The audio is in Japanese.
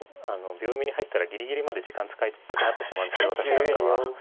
秒読みに入ったらぎりぎりまで時間使いたくなってしまうんですけど私なんかは。